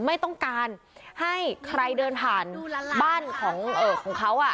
ไม่ต้องการให้ใครเดินผ่านบ้านของเขา